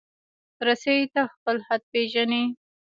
رسۍ تل خپل حد پېژني.